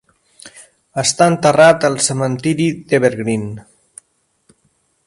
Està enterrat al cementiri d'Evergreen.